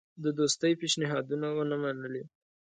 د دوستی پېشنهادونه ونه منلې.